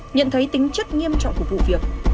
nhận thấy tính chất nghiêm trọng của vụ việc